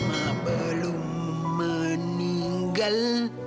mama belum meninggal